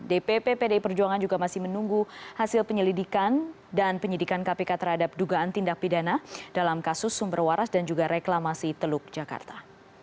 dpp pdi perjuangan juga masih menunggu hasil penyelidikan dan penyidikan kpk terhadap dugaan tindak pidana dalam kasus sumber waras dan juga reklamasi teluk jakarta